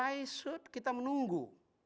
kenapa harus kita menunggu